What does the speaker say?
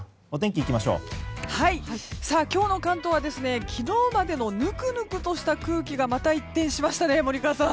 今日の関東は昨日までのぬくぬくとした空気がまた一転しましたね、森川さん。